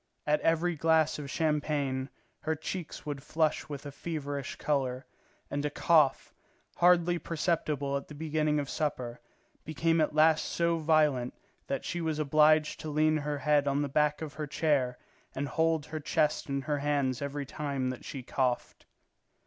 At every glass of champagne her cheeks would flush with a feverish colour, and a cough, hardly perceptible at the beginning of supper, became at last so violent that she was obliged to lean her head on the back of her chair and hold her chest in her hands every time that she coughed.